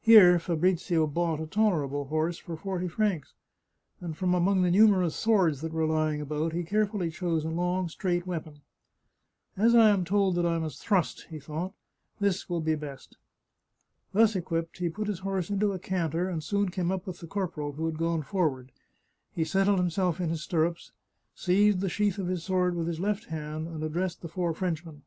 Here Fabrizio bought a tolerable horse for forty francs, and from among the numerous swords that were lying about he carefully chose a long, straight weapon. " As I am told I must thrust," he thought, " this will be the best." Thus equipped, he put his horse into a canter, and soon came up with the corporal, who had gone forward; he settled himself in his stirrups, seized the sheath of his sword with his left hand, and addressed the four French men.